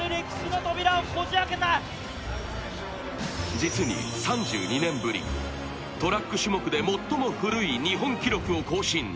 実に３２年ぶりトラック種目で最も古い日本記録を更新。